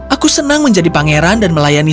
aku senang menjadi pangeran dan melayani